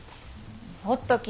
ほっとき。